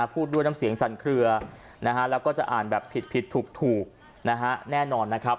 พูดด้วยน้ำเสียงสั่นเคลือแล้วก็จะอ่านแบบผิดถูกนะฮะแน่นอนนะครับ